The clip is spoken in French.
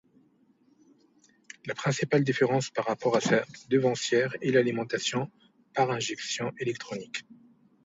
La principale différence par rapport à sa devancière est l'alimentation par injection électronique.